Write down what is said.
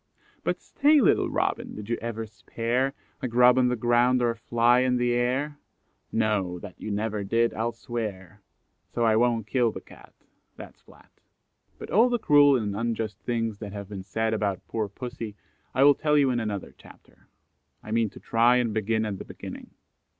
But stay, little Robin, did you ever spare, A grub on the ground or a fly in the air? No, that you never did, I'll swear; So I won't kill the Cat, That's flat." But all the cruel and unjust things that have been said about poor pussy I will tell you in another chapter. I mean to try and begin at the beginning.